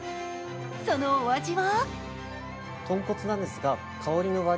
そのお味は？